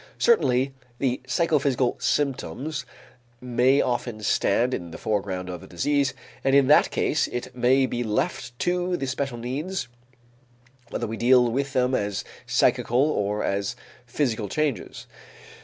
Certainly the psychophysical symptoms may often stand in the foreground of the disease, and in that case it may be left to the special needs whether we deal with them as psychical or as physical changes.